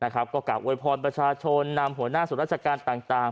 ก็กลับอวยพรประชาชนนำหัวหน้าส่วนราชการต่าง